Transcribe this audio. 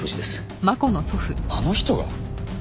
あの人が？